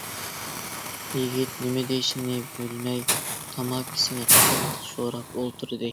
يىگىت نېمە دېيىشىنى بىلمەي تاماكىسىنى قاتتىق شوراپ ئولتۇردى.